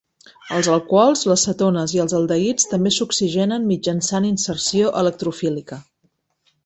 Els alcohols, les cetones i els aldehids també s'oxigenen mitjançant inserció electrofílica.